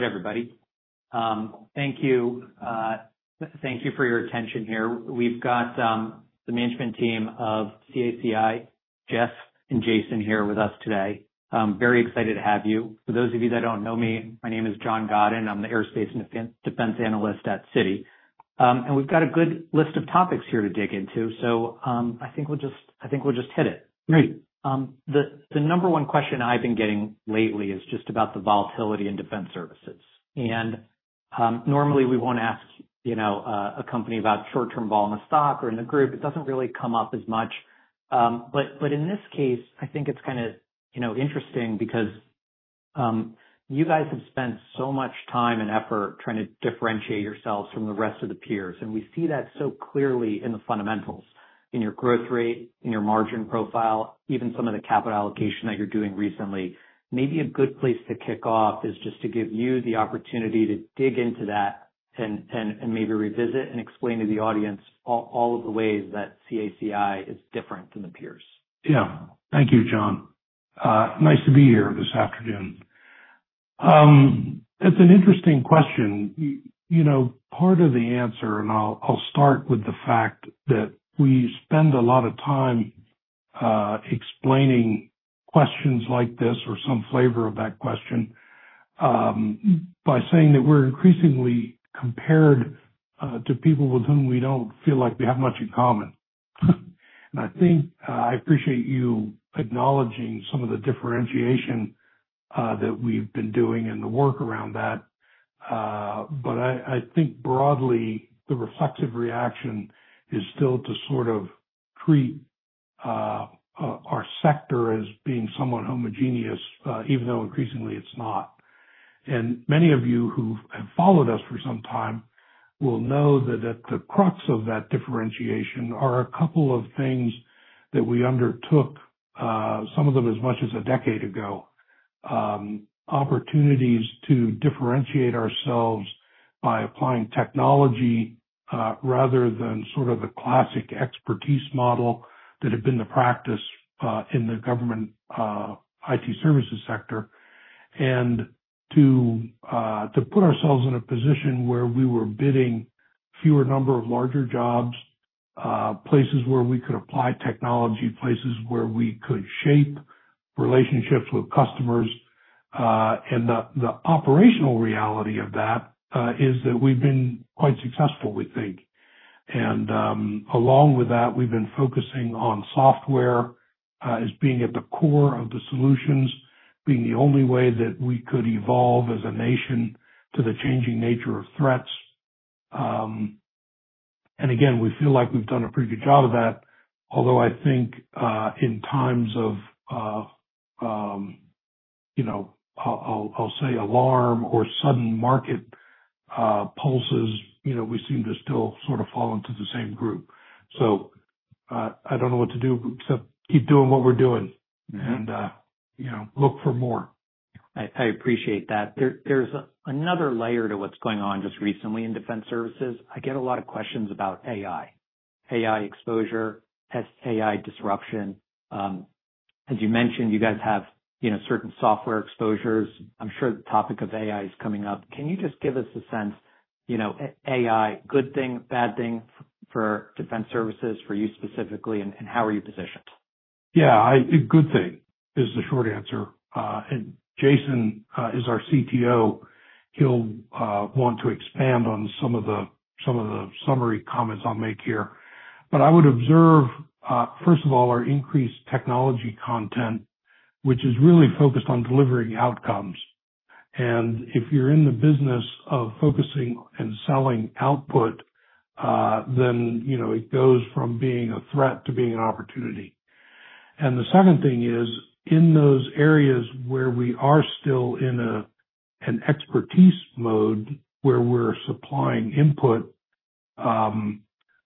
All right, everybody. Thank you, thank you for your attention here. We've got the management team of CACI, Jeff and Jason, here with us today. I'm very excited to have you. For those of you that don't know me, my name is John Godyn. I'm the Aerospace and Defense Analyst at Citi. And we've got a good list of topics here to dig into, so I think we'll just hit it. Great. The number one question I've been getting lately is just about the volatility in defense services. And normally we won't ask, you know, a company about short-term volume of stock or in the group. It doesn't really come up as much. But in this case, I think it's kind of, you know, interesting because you guys have spent so much time and effort trying to differentiate yourselves from the rest of the peers, and we see that so clearly in the fundamentals, in your growth rate, in your margin profile, even some of the capital allocation that you're doing recently. Maybe a good place to kick off is just to give you the opportunity to dig into that and maybe revisit and explain to the audience all of the ways that CACI is different from the peers. Yeah. Thank you, John. Nice to be here this afternoon. It's an interesting question. You know, part of the answer, and I'll start with the fact that we spend a lot of time explaining questions like this or some flavor of that question, by saying that we're increasingly compared to people with whom we don't feel like we have much in common. And I think I appreciate you acknowledging some of the differentiation that we've been doing and the work around that. But I think broadly, the reflective reaction is still to sort of treat our sector as being somewhat homogeneous, even though increasingly it's not. Many of you who have followed us for some time will know that at the crux of that differentiation are a couple of things that we undertook, some of them as much as a decade ago. Opportunities to differentiate ourselves by applying technology, rather than sort of the classic expertise model that had been the practice, in the government IT services sector. And to put ourselves in a position where we were bidding fewer number of larger jobs, places where we could apply technology, places where we could shape relationships with customers. And the operational reality of that is that we've been quite successful, we think. Along with that, we've been focusing on software as being at the core of the solutions, being the only way that we could evolve as a nation to the changing nature of threats. Again, we feel like we've done a pretty good job of that, although I think in times of, you know, I'll say alarm or sudden market pulses, you know, we seem to still sort of fall into the same group. So, I don't know what to do except keep doing what we're doing and, you know, look for more. I appreciate that. There's another layer to what's going on just recently in defense services. I get a lot of questions about AI, AI exposure, has AI disruption. As you mentioned, you guys have, you know, certain software exposures. I'm sure the topic of AI is coming up. Can you just give us a sense, you know, AI, good thing, bad thing for defense services, for you specifically, and how are you positioned? Yeah, a good thing is the short answer. And Jason is our CTO, he'll want to expand on some of the summary comments I'll make here. But I would observe, first of all, our increased technology content, which is really focused on delivering outcomes. And if you're in the business of focusing and selling output, then, you know, it goes from being a threat to being an opportunity. And the second thing is, in those areas where we are still in an expertise mode, where we're supplying input,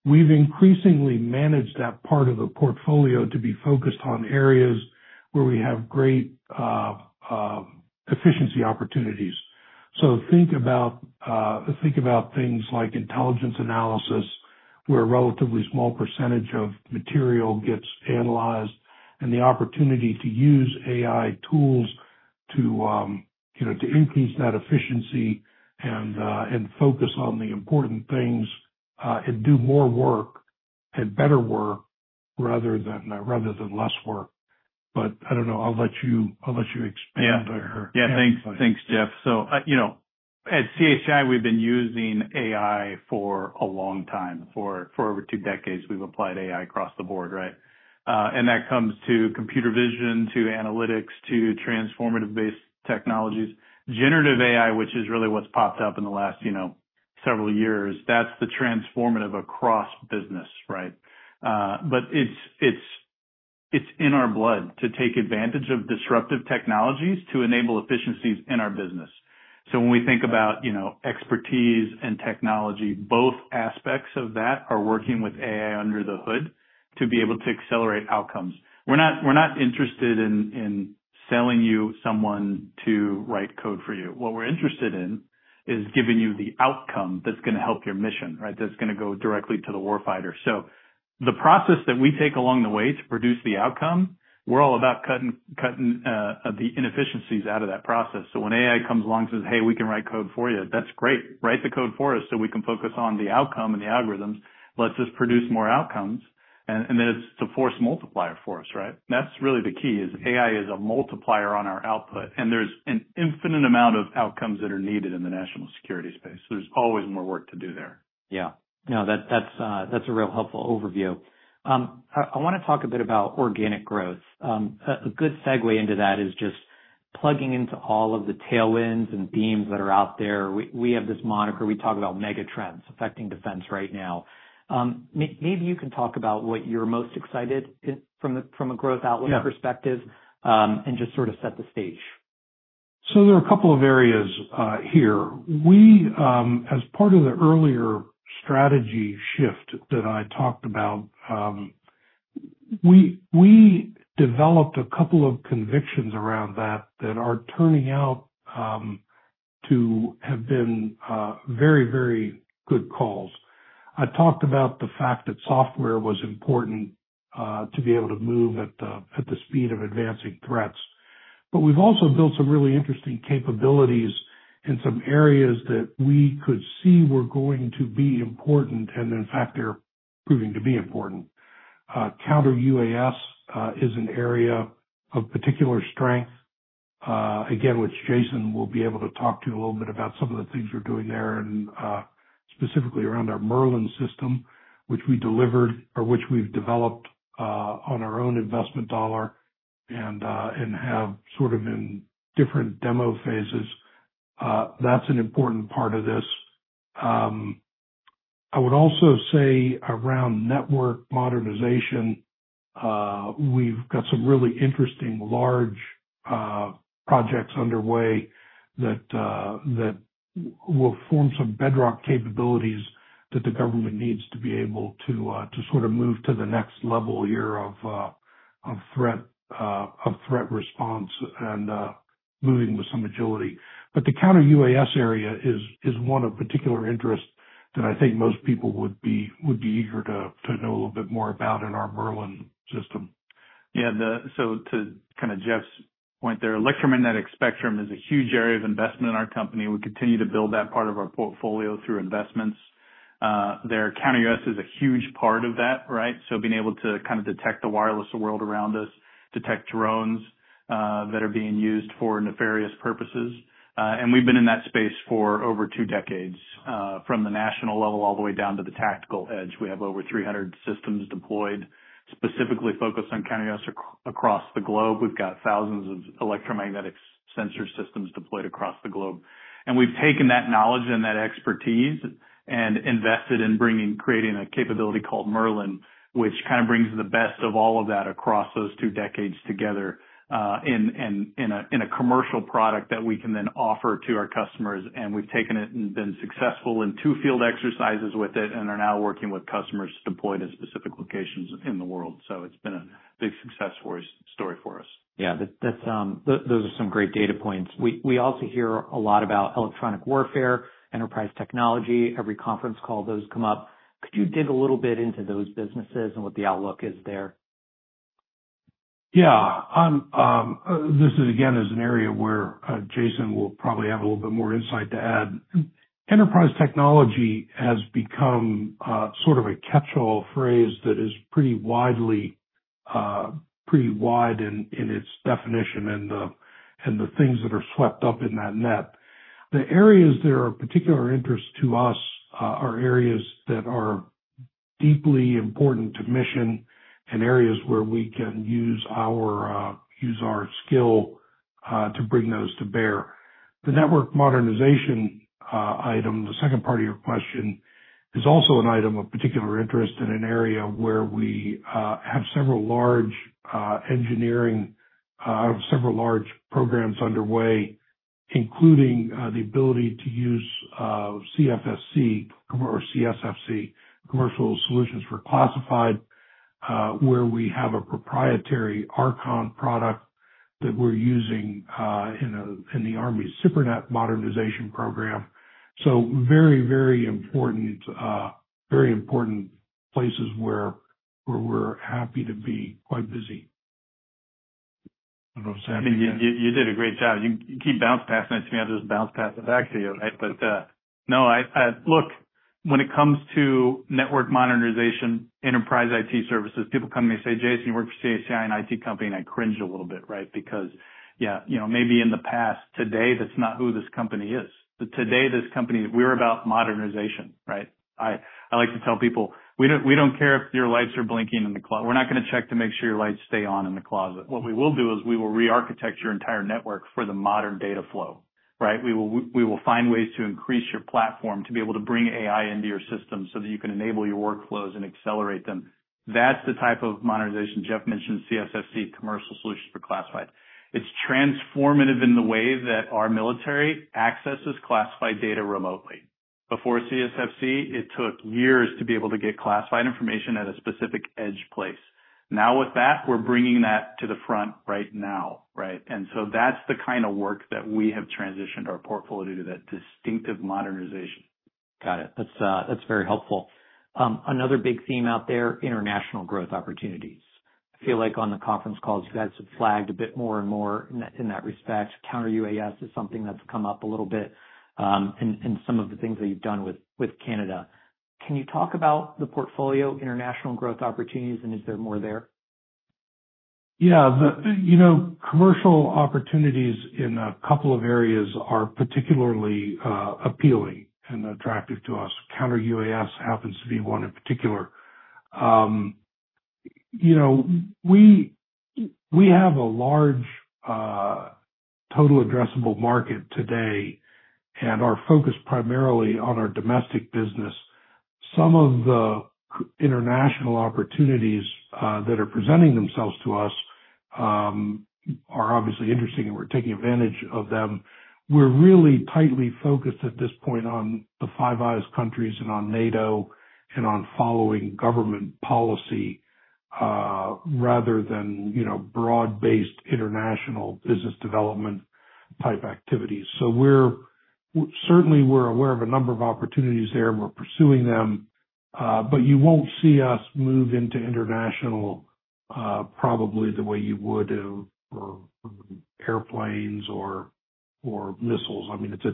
we've increasingly managed that part of the portfolio to be focused on areas where we have great efficiency opportunities. So think about, think about things like intelligence analysis, where a relatively small percentage of material gets analyzed, and the opportunity to use AI tools to, you know, to increase that efficiency and, and focus on the important things, and do more work and better work rather than, rather than less work. But I don't know. I'll let you, I'll let you expand or- Yeah. Yeah, thanks. Thanks, Jeff. So, you know, at CACI, we've been using AI for a long time. For over two decades, we've applied AI across the board, right? And that comes to computer vision, to analytics, to transformative-based technologies. Generative AI, which is really what's popped up in the last, you know, several years, that's the transformative across business, right? But it's in our blood to take advantage of disruptive technologies to enable efficiencies in our business. So when we think about, you know, expertise and technology, both aspects of that are working with AI under the hood to be able to accelerate outcomes. We're not interested in selling you someone to write code for you. What we're interested in is giving you the outcome that's gonna help your mission, right? That's gonna go directly to the warfighter. So the process that we take along the way to produce the outcome, we're all about cutting, cutting, the inefficiencies out of that process. So when AI comes along and says, "Hey, we can write code for you," that's great. Write the code for us so we can focus on the outcome and the algorithms. Let's just produce more outcomes, and, and then it's the force multiplier for us, right? That's really the key, is AI is a multiplier on our output, and there's an infinite amount of outcomes that are needed in the national security space. So there's always more work to do there. Yeah. No, that's a real helpful overview. I wanna talk a bit about organic growth. A good segue into that is just plugging into all of the tailwinds and themes that are out there. We have this moniker, we talk about mega trends affecting defense right now. Maybe you can talk about what you're most excited in from a growth outlook. Yeah Perspective, and just sort of set the stage. So there are a couple of areas here. We, as part of the earlier strategy shift that I talked about, we developed a couple of convictions around that that are turning out to have been very, very good calls. I talked about the fact that software was important to be able to move at the speed of advancing threats. But we've also built some really interesting capabilities in some areas that we could see were going to be important, and in fact, they're proving to be important. Counter-UAS is an area of particular strength, again, which Jason will be able to talk to you a little bit about some of the things we're doing there and, specifically around our Merlin system, which we delivered, or which we've developed, on our own investment dollar and, and have sort of in different demo phases. That's an important part of this. I would also say around network modernization, we've got some really interesting large projects underway that will form some bedrock capabilities that the government needs to be able to, to sort of move to the next level here of threat response and, moving with some agility. But the Counter-UAS area is one of particular interest that I think most people would be eager to know a little bit more about in our Merlin system. Yeah, so to kind of Jeff's point there, electromagnetic spectrum is a huge area of investment in our company. We continue to build that part of our portfolio through investments. Their Counter-UAS is a huge part of that, right? So being able to kind of detect the wireless world around us, detect drones, that are being used for nefarious purposes, and we've been in that space for over two decades, from the national level all the way down to the tactical edge. We have over 300 systems deployed, specifically focused on Counter-UAS across the globe. We've got thousands of electromagnetic sensor systems deployed across the globe, and we've taken that knowledge and that expertise and invested in bringing, creating a capability called Merlin, which kind of brings the best of all of that across those two decades together, in a commercial product that we can then offer to our customers. And we've taken it and been successful in two field exercises with it and are now working with customers to deploy to specific locations in the world. So it's been a big success for us, story for us. Yeah, that's. Those are some great data points. We also hear a lot about electronic warfare, enterprise technology. Every conference call, those come up. Could you dig a little bit into those businesses and what the outlook is there? Yeah. This is again an area where Jason will probably have a little bit more insight to add. Enterprise technology has become sort of a catch-all phrase that is pretty widely pretty wide in its definition and the things that are swept up in that net. The areas that are of particular interest to us are areas that are deeply important to mission and areas where we can use our skill to bring those to bear. The network modernization item, the second part of your question, is also an item of particular interest in an area where we have several large engineering several large programs underway, including the ability to use CSfC, Commercial Solutions for Classified, where we have a proprietary Archon product that we're using in a, in the Army's SIPRNet modernization program. So very, very important, very important places where we're happy to be quite busy. I don't know if you want to say anything else. I mean, you did a great job. You keep bounce passing it to me, I just bounce pass it back to you, right? But no, I... Look, when it comes to network modernization, enterprise IT services, people come to me and say, "Jason, you work for SAIC, an IT company," and I cringe a little bit, right? Because, yeah, you know, maybe in the past. Today, that's not who this company is. Today, this company, we're about modernization, right? I like to tell people, "We don't, we don't care if your lights are blinking in the closet, we're not gonna check to make sure your lights stay on in the closet. What we will do is we will rearchitect your entire network for the modern data flow, right? We will find ways to increase your platform to be able to bring AI into your system, so that you can enable your workflows and accelerate them." That's the type of modernization. Jeff mentioned CSfC, Commercial Solutions for Classified. It's transformative in the way that our military accesses classified data remotely. Before CSfC, it took years to be able to get classified information at a specific edge place. Now, with that, we're bringing that to the front right now, right? And so that's the kind of work that we have transitioned our portfolio to, that distinctive modernization. Got it. That's, that's very helpful. Another big theme out there, international growth opportunities. I feel like on the conference calls, you guys have flagged a bit more and more in that, in that respect. Counter-UAS is something that's come up a little bit, in, in some of the things that you've done with, with Canada. Can you talk about the portfolio, international growth opportunities, and is there more there? Yeah. The, you know, commercial opportunities in a couple of areas are particularly appealing and attractive to us. Counter-UAS happens to be one in particular. You know, we have a large total addressable market today and are focused primarily on our domestic business. Some of the international opportunities that are presenting themselves to us are obviously interesting, and we're taking advantage of them. We're really tightly focused at this point on the Five Eyes countries and on NATO and on following government policy rather than, you know, broad-based international business development type activities. So we're certainly aware of a number of opportunities there, and we're pursuing them, but you won't see us move into international probably the way you would for airplanes or missiles. I mean, it's a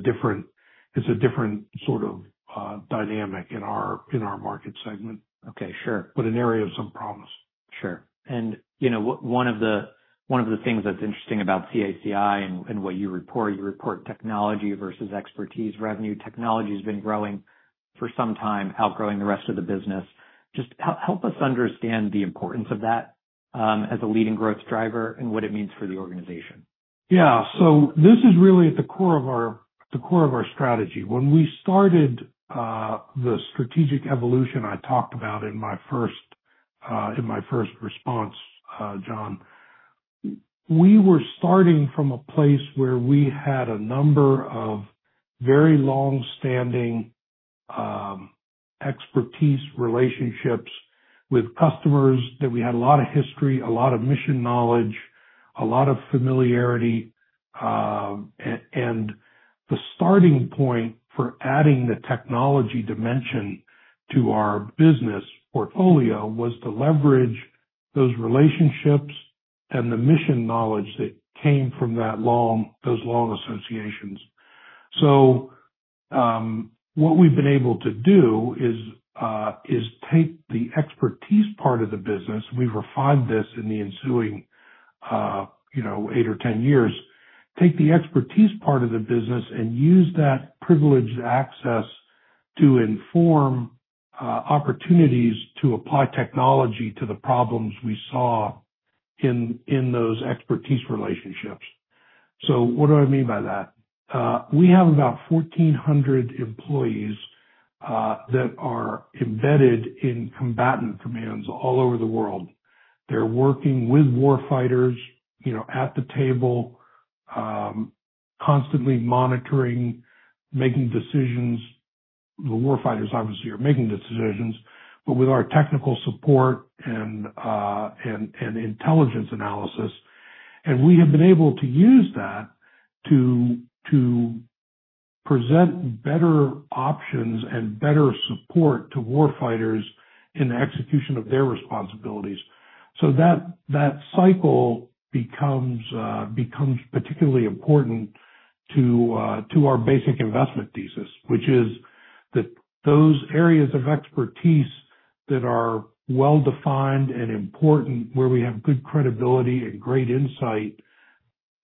different sort of dynamic in our market segment. Okay, sure. But an area of some promise. Sure. And, you know, one of the things that's interesting about CACI and, and what you report, you report technology versus expertise, revenue. Technology's been growing for some time, outgrowing the rest of the business. Just help us understand the importance of that, as a leading growth driver and what it means for the organization. Yeah. So this is really at the core of our, the core of our strategy. When we started the strategic evolution I talked about in my first, in my first response, John, we were starting from a place where we had a number of very long-standing expertise relationships with customers, that we had a lot of history, a lot of mission knowledge, a lot of familiarity. And the starting point for adding the technology dimension to our business portfolio was to leverage those relationships and the mission knowledge that came from that long, those long associations. So, what we've been able to do is take the expertise part of the business, we've refined this in the ensuing, you know, eight or 10 years. Take the expertise part of the business and use that privileged access to inform opportunities to apply technology to the problems we saw in those expertise relationships. So what do I mean by that? We have about 1,400 employees that are embedded in combatant commands all over the world. They're working with warfighters, you know, at the table, constantly monitoring, making decisions. The warfighters obviously are making the decisions, but with our technical support and intelligence analysis. And we have been able to use that to present better options and better support to warfighters in the execution of their responsibilities. So that cycle becomes particularly important to our basic investment thesis, which is that those areas of expertise that are well-defined and important, where we have good credibility and great insight,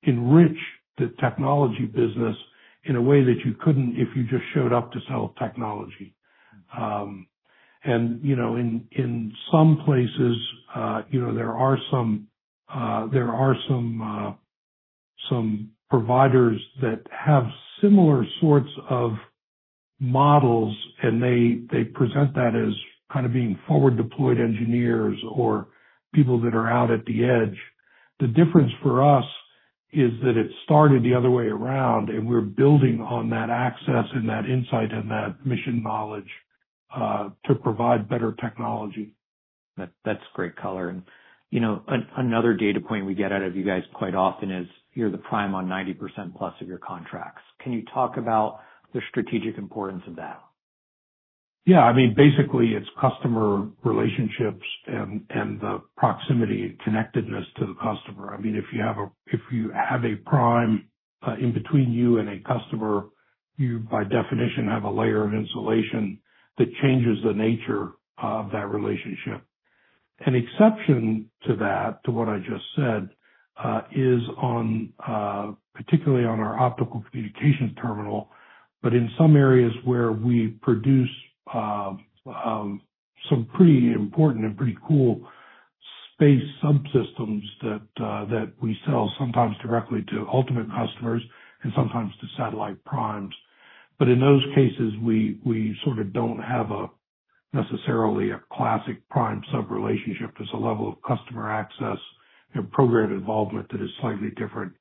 enrich the technology business in a way that you couldn't if you just showed up to sell technology. And, you know, in some places, you know, there are some providers that have similar sorts of models, and they present that as kind of being forward-deployed engineers or people that are out at the edge. The difference for us is that it started the other way around, and we're building on that access and that insight and that mission knowledge to provide better technology. That, that's great color. And, you know, another data point we get out of you guys quite often is you're the prime on 90%+ of your contracts. Can you talk about the strategic importance of that? Yeah. I mean, basically, it's customer relationships and the proximity and connectedness to the customer. I mean, if you have a prime in between you and a customer, you, by definition, have a layer of insulation that changes the nature of that relationship. An exception to that, to what I just said, is, particularly on our optical communications terminal, but in some areas where we produce some pretty important and pretty cool space subsystems that we sell sometimes directly to ultimate customers and sometimes to satellite primes. But in those cases, we sort of don't have necessarily a classic prime sub relationship. There's a level of customer access and program involvement that is slightly different.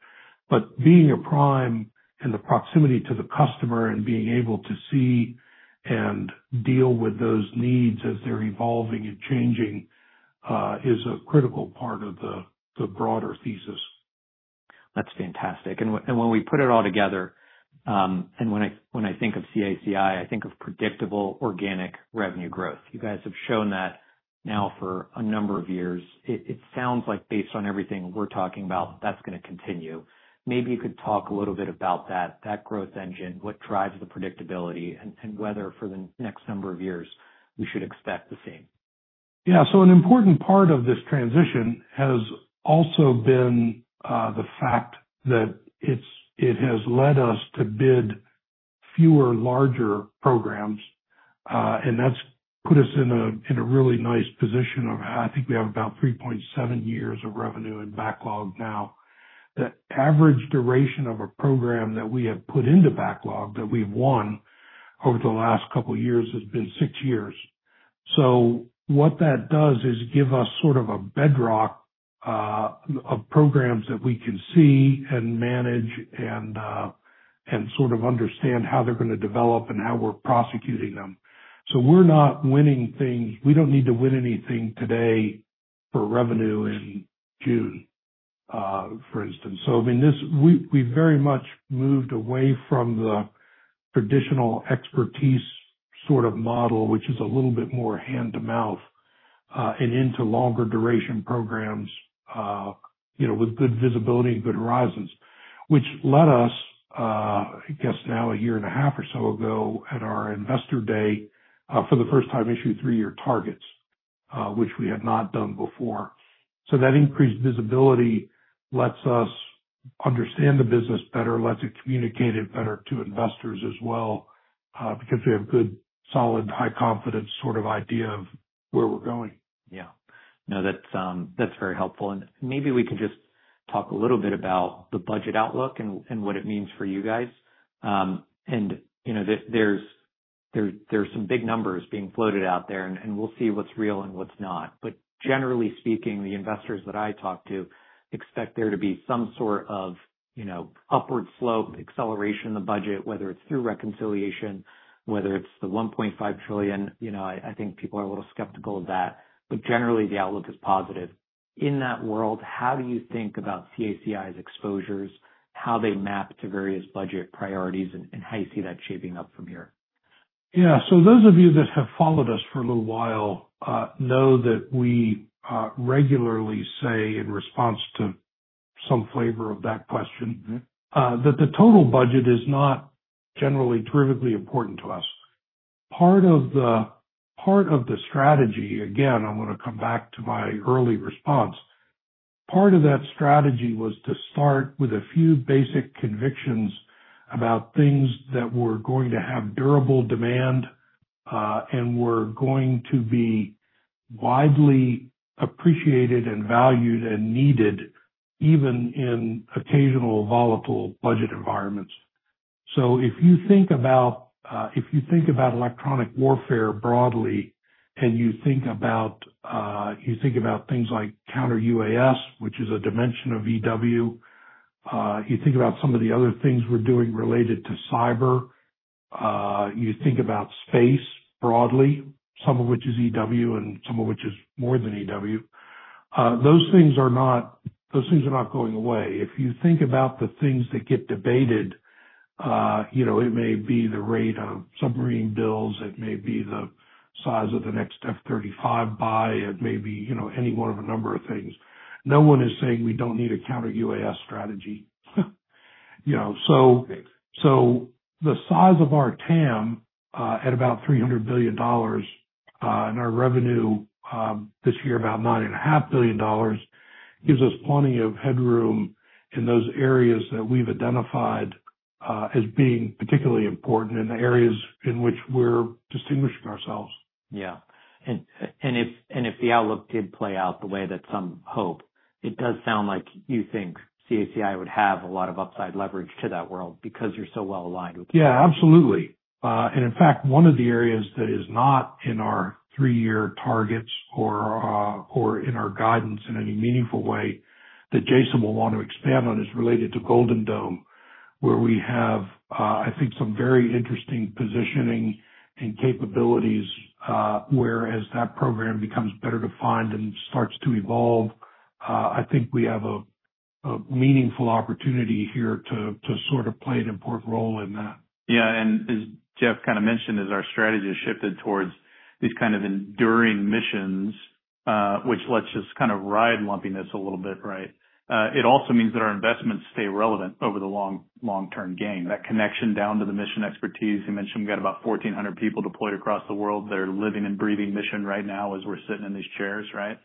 But being a prime and the proximity to the customer and being able to see and deal with those needs as they're evolving and changing is a critical part of the broader thesis. That's fantastic. And when we put it all together, and when I think of CACI, I think of predictable organic revenue growth. You guys have shown that now for a number of years. It sounds like based on everything we're talking about, that's gonna continue. Maybe you could talk a little bit about that, that growth engine, what drives the predictability and whether for the next number of years we should expect the same. Yeah. So an important part of this transition has also been the fact that it has led us to bid fewer larger programs. And that's put us in a really nice position of, I think we have about 3.7 years of revenue in backlog now. The average duration of a program that we have put into backlog, that we've won over the last couple of years, has been six years. So what that does is give us sort of a bedrock of programs that we can see and manage and sort of understand how they're gonna develop and how we're prosecuting them. So we're not winning things. We don't need to win anything today for revenue in June, for instance. I mean, we very much moved away from the traditional expertise sort of model, which is a little bit more hand to mouth, and into longer duration programs, you know, with good visibility and good horizons. Which led us, I guess now, a year and a half or so ago, at our Investor Day, for the first time, issue three-year targets, which we had not done before. That increased visibility lets us understand the business better, lets it communicate it better to investors as well, because we have a good, solid, high confidence sort of idea of where we're going. Yeah. No, that's very helpful. Maybe we could just talk a little bit about the budget outlook and what it means for you guys. You know, there's some big numbers being floated out there, and we'll see what's real and what's not. Generally speaking, the investors that I talk to expect there to be some sort of, you know, upward slope acceleration in the budget, whether it's through reconciliation, whether it's the $1.5 trillion. You know, I think people are a little skeptical of that, but generally the outlook is positive. In that world, how do you think about CACI's exposures, how they map to various budget priorities, and how you see that shaping up from here? Yeah. So those of you that have followed us for a little while, know that we, regularly say, in response to some flavor of that question, that the total budget is not generally terribly important to us. Part of the strategy, again, I'm gonna come back to my early response. Part of that strategy was to start with a few basic convictions about things that were going to have durable demand, and were going to be widely appreciated and valued and needed, even in occasional volatile budget environments. So if you think about electronic warfare broadly, and you think about things like Counter-UAS, which is a dimension of EW, you think about some of the other things we're doing related to cyber, you think about space broadly, some of which is EW and some of which is more than EW. Those things are not going away. If you think about the things that get debated, you know, it may be the rate of submarine builds, it may be the size of the next F-35 buy, it may be, you know, any one of a number of things. No one is saying we don't need a Counter-UAS strategy. You know, so- Right. So the size of our TAM, at about $300 billion, and our revenue this year, about $9.5 billion, gives us plenty of headroom in those areas that we've identified as being particularly important and the areas in which we're distinguishing ourselves. Yeah. And if the outlook did play out the way that some hope, it does sound like you think CACI would have a lot of upside leverage to that world because you're so well aligned with- Yeah, absolutely. In fact, one of the areas that is not in our three-year targets or, or in our guidance in any meaningful way that Jason will want to expand on, is related to Golden Dome, where we have, I think some very interesting positioning and capabilities, where as that program becomes better defined and starts to evolve, I think we have a, a meaningful opportunity here to, to sort of play an important role in that. Yeah, and as Jeff kind of mentioned, as our strategy has shifted towards these kind of enduring missions, which lets us kind of ride lumpiness a little bit, right? It also means that our investments stay relevant over the long, long-term game. That connection down to the mission expertise. You mentioned we've got about 1,400 people deployed across the world that are living and breathing mission right now as we're sitting in these chairs, right?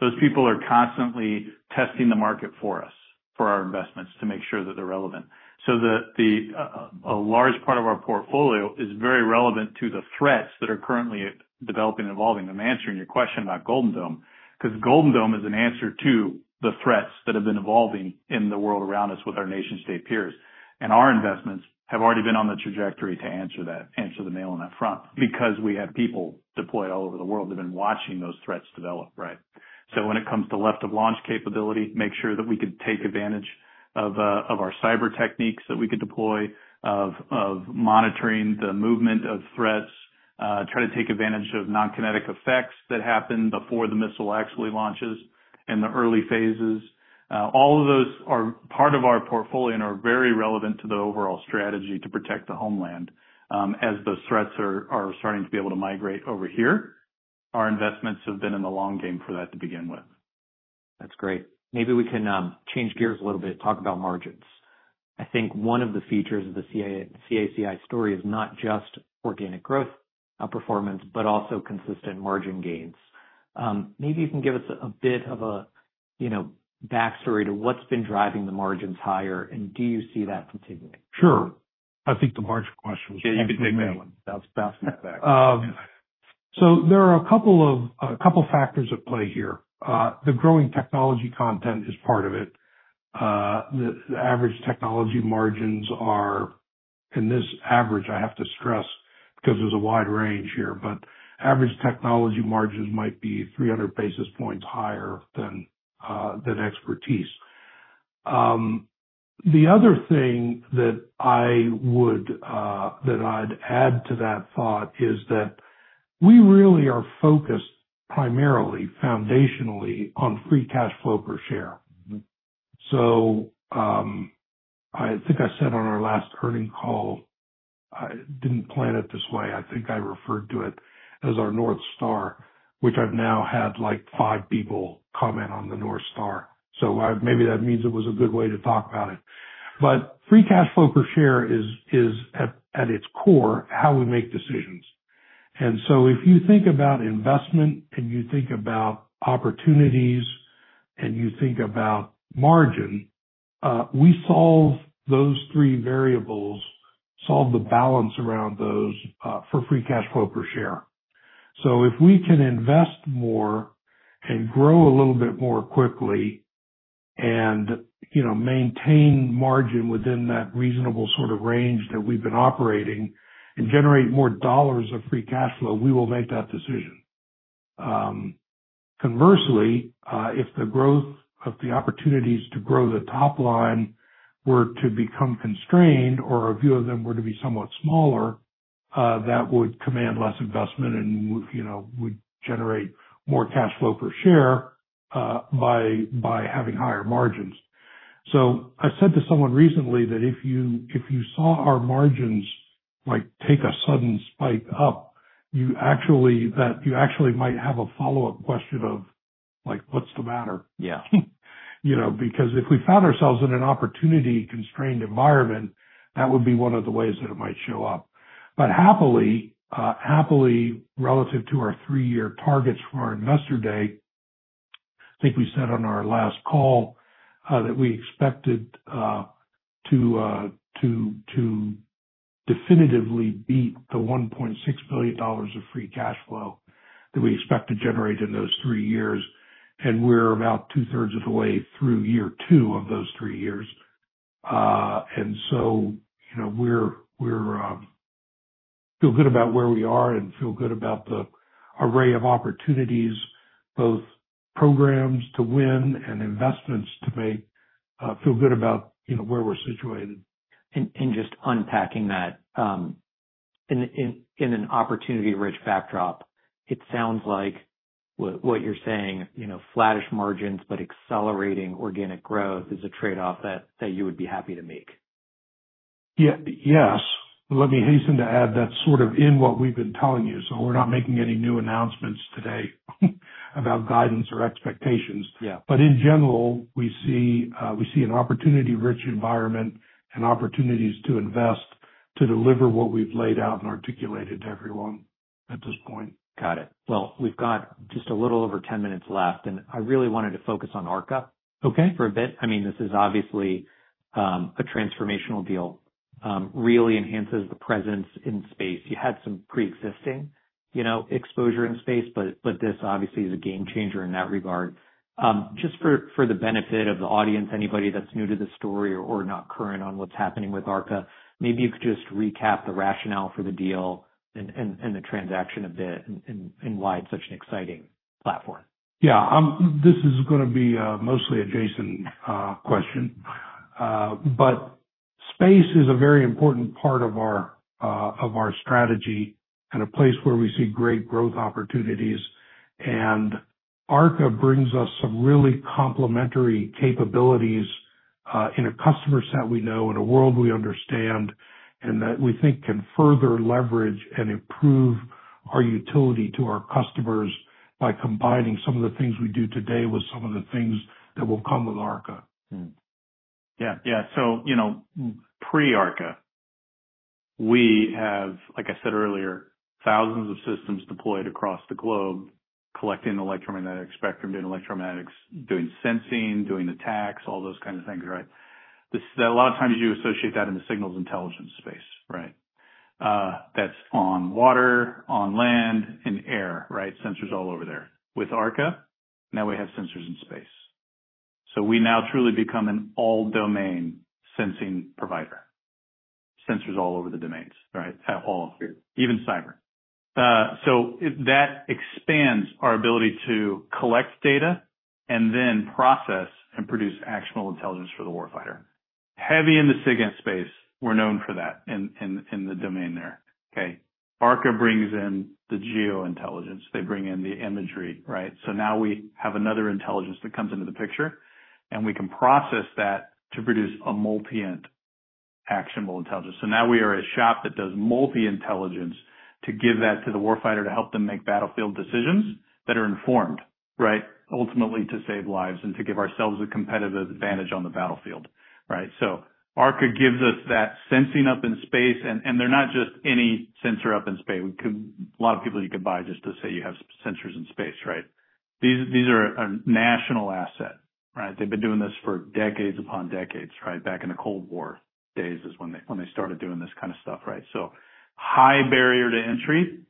Those people are constantly testing the market for us, for our investments, to make sure that they're relevant. So, a large part of our portfolio is very relevant to the threats that are currently developing and evolving. I'm answering your question about Golden Dome, because Golden Dome is an answer to the threats that have been evolving in the world around us with our nation state peers. And our investments have already been on the trajectory to answer that, answer the mail on that front, because we have people deployed all over the world that have been watching those threats develop, right? So when it comes to left-of-launch capability, make sure that we can take advantage of our cyber techniques that we could deploy, of monitoring the movement of threats, try to take advantage of non-kinetic effects that happen before the missile actually launches in the early phases. All of those are part of our portfolio and are very relevant to the overall strategy to protect the homeland. As those threats are starting to be able to migrate over here, our investments have been in the long game for that to begin with. That's great. Maybe we can change gears a little bit, talk about margins. I think one of the features of the CACI story is not just organic growth, performance, but also consistent margin gains. Maybe you can give us a bit of a, you know, backstory to what's been driving the margins higher, and do you see that continuing? Sure. I think the margin question- Yeah, you can take that one. That's, that's back. So there are a couple factors at play here. The growing technology content is part of it. The average technology margins are, and this average, I have to stress, because there's a wide range here, but average technology margins might be 300 basis points higher than expertise. The other thing that I would, that I'd add to that thought, is that we really are focused primarily, foundationally, on free cash flow per share. Mm-hmm. So, I think I said on our last earnings call, I didn't plan it this way, I think I referred to it as our North Star, which I've now had, like, five people comment on the North Star. So maybe that means it was a good way to talk about it. But free cash flow per share is, at its core, how we make decisions. And so if you think about investment, and you think about opportunities, and you think about margin, we solve those three variables, solve the balance around those, for free cash flow per share. So if we can invest more and grow a little bit more quickly and, you know, maintain margin within that reasonable sort of range that we've been operating and generate more dollars of free cash flow, we will make that decision. Conversely, if the growth of the opportunities to grow the top line were to become constrained or a few of them were to be somewhat smaller, that would command less investment and, you know, would generate more cash flow per share, by having higher margins. So I said to someone recently that if you, if you saw our margins, like, take a sudden spike up, you actually might have a follow-up question of, like, "What's the matter? Yeah. You know, because if we found ourselves in an opportunity-constrained environment, that would be one of the ways that it might show up. But happily, happily, relative to our three-year targets for our Investor Day, I think we said on our last call, that we expected to definitively beat the $1.6 billion of free cash flow that we expect to generate in those three years, and we're about 2/3 of the way through year two of those three years. And so, you know, we feel good about where we are and feel good about the array of opportunities, both programs to win and investments to make, feel good about, you know, where we're situated. Just unpacking that, in an opportunity-rich backdrop, it sounds like what you're saying, you know, flattish margins, but accelerating organic growth is a trade-off that you would be happy to make? Yes. Let me hasten to add that's sort of in what we've been telling you, so we're not making any new announcements today, about guidance or expectations. Yeah. But in general, we see, we see an opportunity-rich environment and opportunities to invest, to deliver what we've laid out and articulated to everyone at this point. Got it. Well, we've got just a little over 10 minutes left, and I really wanted to focus on ARKA Okay. For a bit. I mean, this is obviously a transformational deal. Really enhances the presence in space. You had some pre-existing, you know, exposure in space, but this obviously is a game changer in that regard. Just for the benefit of the audience, anybody that's new to the story or not current on what's happening with ARKA, maybe you could just recap the rationale for the deal and the transaction a bit and why it's such an exciting platform. Yeah, this is gonna be mostly a Jason question. But space is a very important part of our strategy and a place where we see great growth opportunities. And ARKA brings us some really complementary capabilities in a customer set we know, in a world we understand, and that we think can further leverage and improve our utility to our customers by combining some of the things we do today with some of the things that will come with ARKA. Mm. Yeah. Yeah. So, you know, pre-ARKA, we have, like I said earlier, thousands of systems deployed across the globe, collecting electromagnetic spectrum, doing electromagnetics, doing sensing, doing attacks, all those kind of things, right? This, a lot of times you associate that in the signals intelligence space, right? That's on water, on land, and air, right? Sensors all over there. With ARKA, now we have sensors in space, so we now truly become an all-domain sensing provider... sensors all over the domains, right? At all, even cyber. So if that expands our ability to collect data and then process and produce actionable intelligence for the warfighter. Heavy in the SIGINT space, we're known for that in the domain there. Okay, ARKA brings in the GEO Intelligence. They bring in the imagery, right? So now we have another intelligence that comes into the picture, and we can process that to produce a Multi-INT actionable intelligence. So now we are a shop that does Multi-Intelligence to give that to the warfighter to help them make battlefield decisions that are informed, right? Ultimately, to save lives and to give ourselves a competitive advantage on the battlefield, right? So ARKA gives us that sensing up in space, and, and they're not just any sensor up in space. We could. A lot of people you could buy just to say you have sensors in space, right? These, these are a national asset, right? They've been doing this for decades upon decades, right? Back in the Cold War days is when they, when they started doing this kind of stuff, right? High barrier to entry,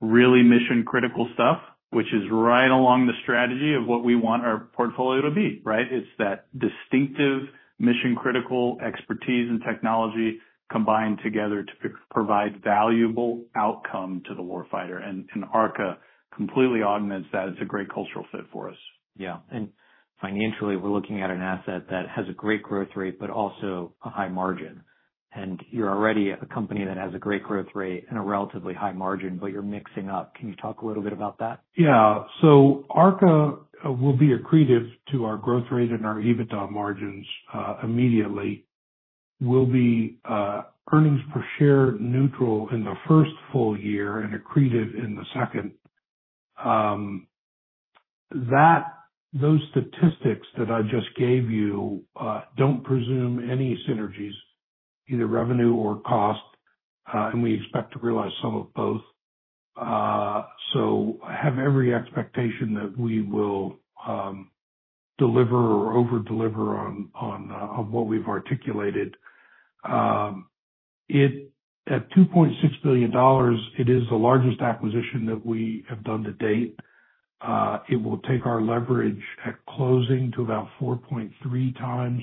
really mission-critical stuff, which is right along the strategy of what we want our portfolio to be, right? It's that distinctive mission-critical expertise and technology combined together to provide valuable outcome to the warfighter, and ARKA completely augments that. It's a great cultural fit for us. Yeah, and financially, we're looking at an asset that has a great growth rate, but also a high margin. And you're already a company that has a great growth rate and a relatively high margin, but you're mixing up. Can you talk a little bit about that? Yeah. So ARKA will be accretive to our growth rate and our EBITDA margins immediately, will be earnings per share neutral in the first full year and accretive in the second. Those statistics that I just gave you don't presume any synergies, either revenue or cost, and we expect to realize some of both. So I have every expectation that we will deliver or over-deliver on what we've articulated. At $2.6 billion, it is the largest acquisition that we have done to date. It will take our leverage at closing to about 4.3x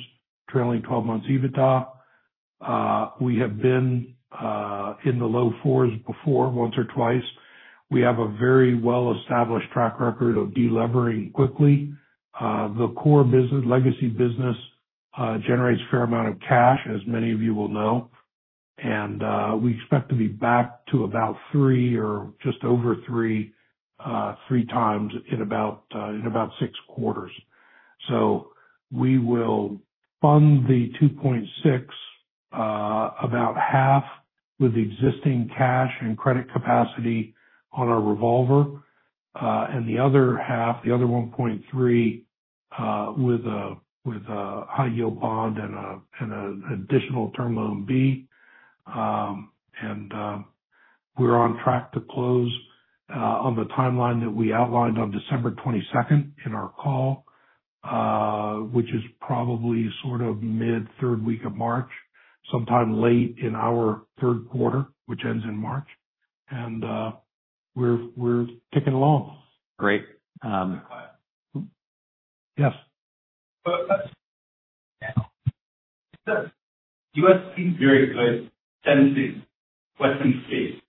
trailing 12 months EBITDA. We have been in the low fours before, once or twice. We have a very well-established track record of delevering quickly. The core business, legacy business, generates a fair amount of cash, as many of you will know, and we expect to be back to about three or just over 3x in about six quarters. So we will fund the $2.6, about half with the existing cash and credit capacity on our revolver, and the other half, the other $1.3, with a high-yield bond and an additional Term Loan B. And we're on track to close on the timeline that we outlined on December 22nd in our call, which is probably sort of mid-third week of March, sometime late in our third quarter, which ends in March. And we're ticking along. Great, um- Yes. The U.S. seems very good at sensing western space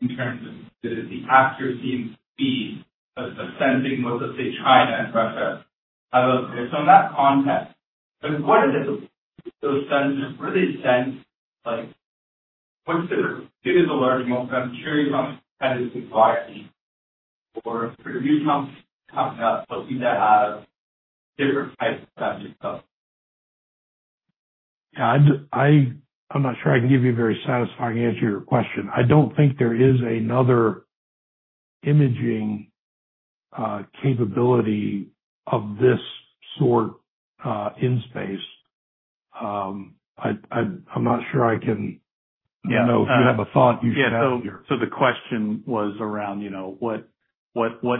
in terms of the accuracy and speed of sensing, let's say, China and Russia. So in that context, what are those sensors really sense? Like, what's the ...It is a large amount, but I'm sure you don't kind of require or you talking about, but do they have different types of stuff? Yeah, I’m not sure I can give you a very satisfying answer to your question. I don't think there is another imaging capability of this sort in space. I’m not sure I can- Yeah. You know, if you have a thought, you should ask here. Yeah, so the question was around, you know, what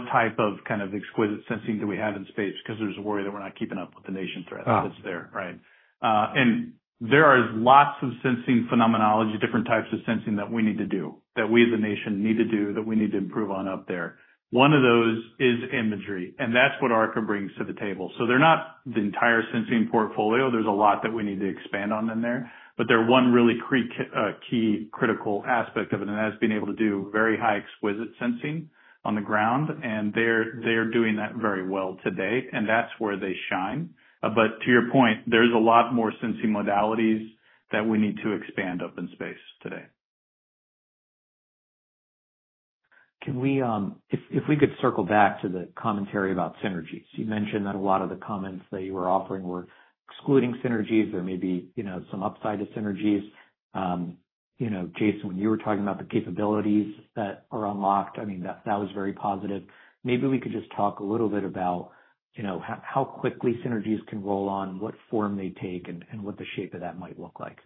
type of kind of exquisite sensing do we have in space? Because there's a worry that we're not keeping up with the national threat- Ah. That's there, right? And there are lots of sensing phenomenology, different types of sensing that we need to do, that we as a nation need to do, that we need to improve on up there. One of those is imagery, and that's what ARKA brings to the table. So they're not the entire sensing portfolio. There's a lot that we need to expand on in there, but they're one really key critical aspect of it, and that's being able to do very high exquisite sensing on the ground, and they're doing that very well today, and that's where they shine. But to your point, there's a lot more sensing modalities that we need to expand up in space today. Can we, if we could circle back to the commentary about synergies. You mentioned that a lot of the comments that you were offering were excluding synergies. There may be, you know, some upside to synergies. You know, Jason, when you were talking about the capabilities that are unlocked, I mean, that was very positive. Maybe we could just talk a little bit about, you know, how quickly synergies can roll on, what form they take, and what the shape of that might look like.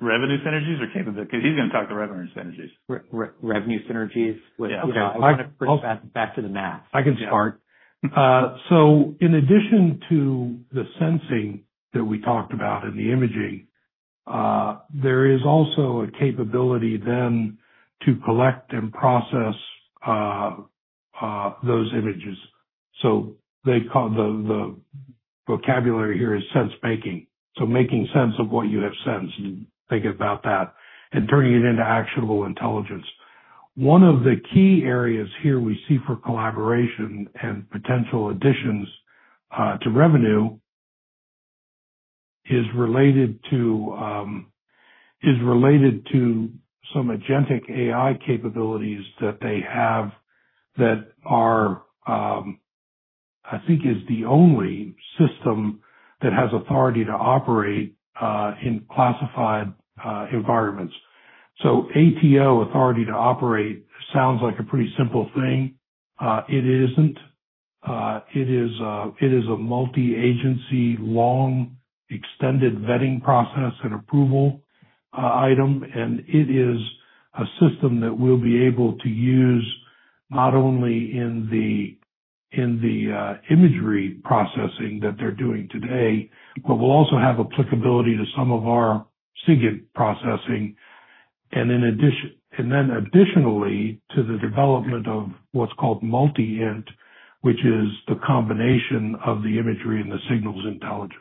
The revenue synergies or capabilities? Because he's going to talk to revenue synergies. Revenue synergies with- Yeah. I want to bring back to the math. I can start. Yeah. So in addition to the sensing that we talked about and the imaging, there is also a capability then to collect and process those images.... So they call the vocabulary here is sense making. So making sense of what you have sensed, and think about that, and turning it into actionable intelligence. One of the key areas here we see for collaboration and potential additions to revenue is related to is related to some agentic AI capabilities that they have that are I think is the only system that has authority to operate in classified environments. So ATO, Authority to Operate, sounds like a pretty simple thing. It isn't. It is a multi-agency, long, extended vetting process and approval item. It is a system that we'll be able to use not only in the imagery processing that they're doing today, but will also have applicability to some of our SIGINT processing. And additionally, to the development of what's called Multi-INT, which is the combination of the imagery and the signals intelligence.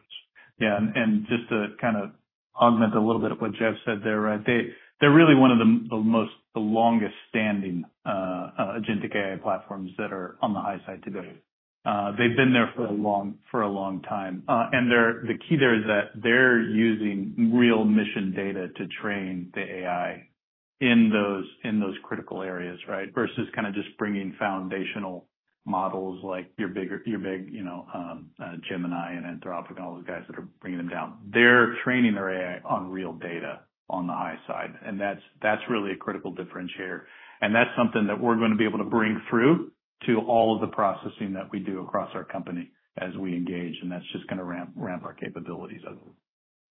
Yeah, and just to kind of augment a little bit of what Jeff said there, right? They're really one of the most long-standing agentic AI platforms that are on the high side today. They've been there for a long time. And the key there is that they're using real mission data to train the AI in those critical areas, right? Versus kind of just bringing foundational models like your bigger, your big, you know, Gemini and Anthropic, and all those guys that are bringing them down. They're training their AI on real data on the high side, and that's really a critical differentiator. That's something that we're going to be able to bring through to all of the processing that we do across our company as we engage, and that's just gonna ramp, ramp our capabilities up.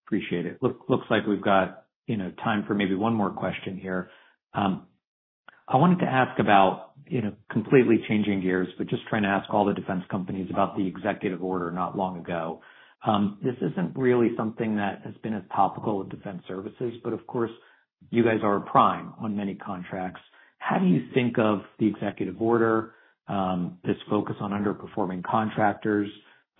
Appreciate it. Looks like we've got, you know, time for maybe one more question here. I wanted to ask about, you know, completely changing gears, but just trying to ask all the defense companies about the executive order not long ago. This isn't really something that has been as topical with defense services, but of course, you guys are prime on many contracts. How do you think of the executive order, this focus on underperforming contractors?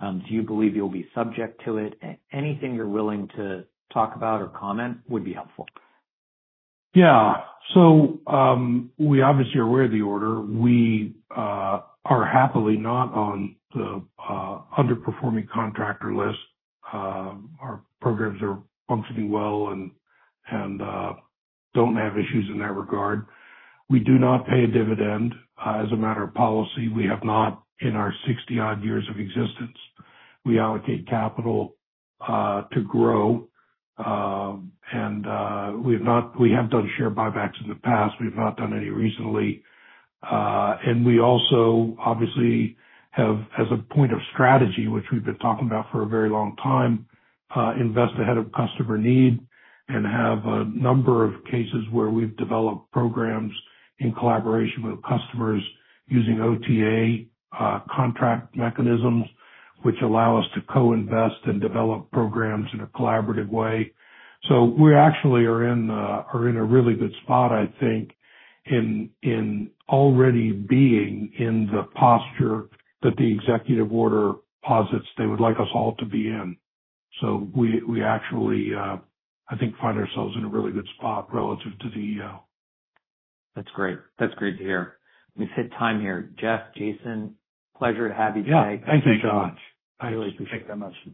Do you believe you'll be subject to it? Anything you're willing to talk about or comment would be helpful. Yeah. So, we obviously are aware of the order. We are happily not on the underperforming contractor list. Our programs are functioning well and don't have issues in that regard. We do not pay a dividend. As a matter of policy, we have not in our 60-odd years of existence. We allocate capital to grow. And we've not-- we have done share buybacks in the past. We've not done any recently. And we also obviously have, as a point of strategy, which we've been talking about for a very long time, invest ahead of customer need and have a number of cases where we've developed programs in collaboration with customers using OTA contract mechanisms, which allow us to co-invest and develop programs in a collaborative way. So we actually are in a really good spot, I think, already being in the posture that the executive order posits they would like us all to be in. So we actually, I think, find ourselves in a really good spot relative to the EO. That's great. That's great to hear. We've hit time here. Jeff, Jason, pleasure to have you today. Yeah. Thank you so much. Thank you. I really appreciate it so much.